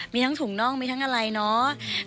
มีทั้งถุงน่องมีทั้งอะไรเนาะ